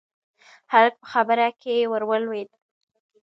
هلک په خبره کې ور ولوېد: